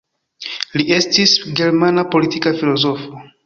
Li estis germana politika filozofo.